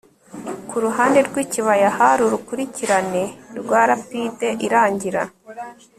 kuruhande rwikibaya hari urukurikirane rwa rapide irangira